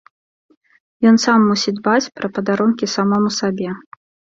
Ён сам мусіць дбаць пра падарункі самому сабе.